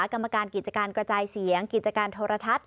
กรรมการกิจการกระจายเสียงกิจการโทรทัศน